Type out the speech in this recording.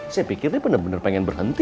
saya pikir dia bener bener pengen berhenti